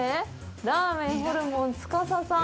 ラーメン・ホルモン司さん。